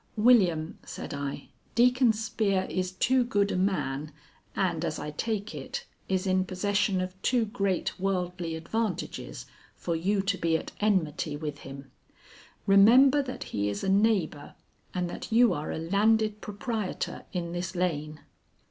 "William," said I, "Deacon Spear is too good a man, and, as I take it, is in possession of too great worldly advantages for you to be at enmity with him. Remember that he is a neighbor, and that you are a landed proprietor in this lane."